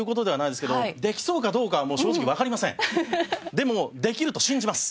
でもできると信じます。